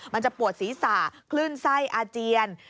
มันจะปวดศีรษะคลื่นไส้อาเจียน